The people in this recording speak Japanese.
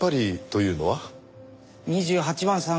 ２８番さん